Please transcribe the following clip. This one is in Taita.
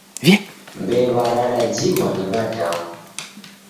Mbew'a radajighwa ni w'adamu